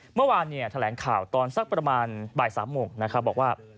เมื่อวานแถลงข่าวตอนสักประมาณบ่าย๓โมงนะครับบอกว่า